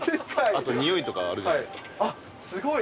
あとにおいとかあるじゃないあっ、すごい。